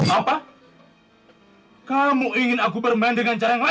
apa kamu ingin aku bermain dengan cara yang lain